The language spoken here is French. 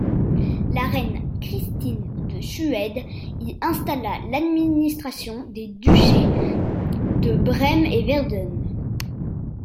La reine Christine de Suède y installa l'administration des duchés de Brême-et-Verden.